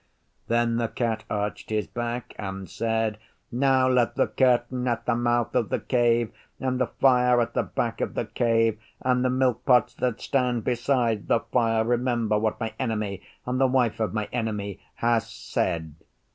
Then the Cat arched his back and said, 'Now let the Curtain at the mouth of the Cave, and the Fire at the back of the Cave, and the Milk pots that stand beside the Fire, remember what my Enemy and the Wife of my Enemy has said.